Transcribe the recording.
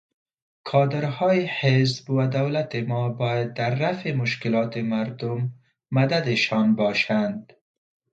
کادرهای حزب و دولت ما باید در رفع مشکلات مردم مدد شان باشند.